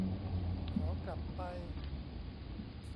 ขอกลับไป